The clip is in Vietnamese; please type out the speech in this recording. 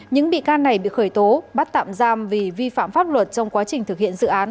những bị can này bị khởi tố bắt tạm giam vì vi phạm pháp luật trong quá trình thực hiện dự án